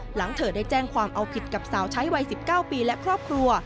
หลังเธอได้แจ้งความเอาผิดกับสาวใช้วัย๑๙ปีและครอบครัว